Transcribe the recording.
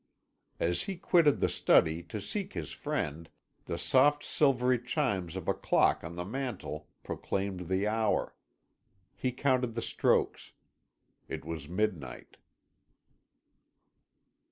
As he quitted the study to seek his friend the soft silvery chimes of a clock on the mantel proclaimed the hour. He counted the strokes. It was midnight.